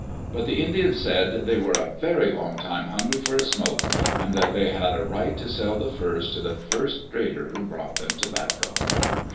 But the Indians said they were "a very long time hungry for a smoke, and that they had a right to sell the furs to the first trader who brought them tobacco.